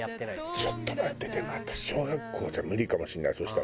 ちょっと待ってでも私小学校じゃ無理かもしれないそしたら。